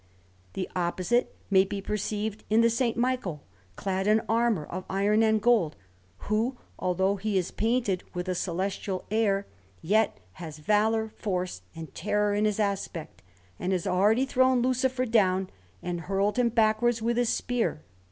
The opposite may be perceived in the S. Michael, clad in armour of iron and gold, who, although he is painted with a celestial air, yet has valour, force, and terror in his aspect, and has already thrown Lucifer down and hurled him backwards with his spear.